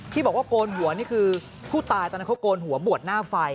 ที่บอกว่าโกนหัวนี่คือผู้ตายตอนนั้นเขาโกนหัวบวชหน้าไฟ